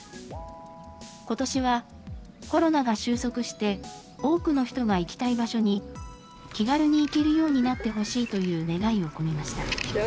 ことしはコロナが終息して、多くの人が行きたい場所に気軽に行けるようになってほしいという願いを込めました。